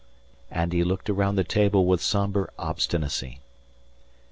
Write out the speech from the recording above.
And he looked around the table with sombre obstinacy.